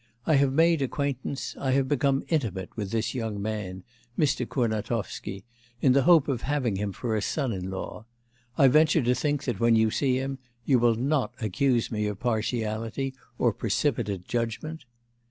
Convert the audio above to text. I have made acquaintance, I have become intimate with this young man, Mr. Kurnatovsky, in the hope of having him for a son in law. I venture to think that when you see him, you will not accuse me of partiality or precipitate judgment.